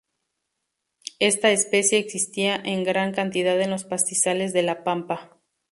Esta especie existía en gran cantidad en los pastizales de la pampa.